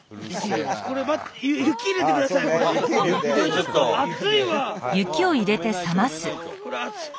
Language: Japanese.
これちょっと熱いわ！